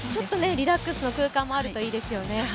リラックスの空間もあるといいですよね。